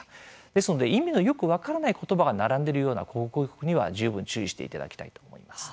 ですので、意味のよく分からない言葉が並んでいるような広告には十分、注意していただきたいと思います。